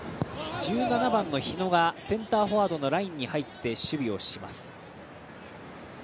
１７番の日野がセンターフォワードのラインに入って守備をします。